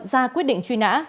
ra quyết định truy nã